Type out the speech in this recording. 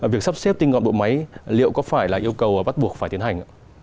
việc sắp xếp tinh gọn bộ máy liệu có phải là yêu cầu bắt buộc phải tiến hành ạ